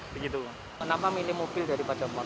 kenapa minimobil daripada motor